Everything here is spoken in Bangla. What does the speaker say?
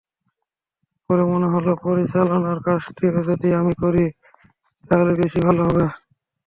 পরে মনে হলো পরিচালনার কাজটিও যদি আমি করি, তাহলে বেশি ভালো হবে।